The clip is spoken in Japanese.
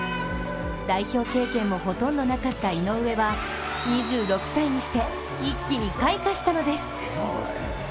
代表経験もほとんどなかった井上は２６歳にして一気に開花したのです。